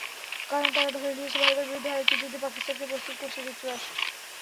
কারণ তারা ধরে নিয়েছে ভারতের বিরুদ্ধে আরেকটি যুদ্ধে পাকিস্তানকে প্রস্তুত করছে যুক্তরাষ্ট্র।